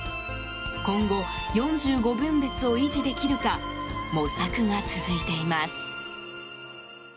今後、４５分別を維持できるか模索が続いています。